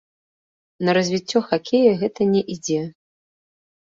На развіццё хакея гэта не ідзе.